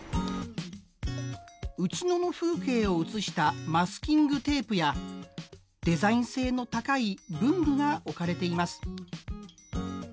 内野の風景を映したマスキングテープやデザイン性の高い文具が置かれています。